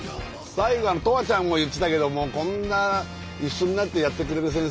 最後とわちゃんも言ってたけども「こんな一緒になってやってくれる先生いない！」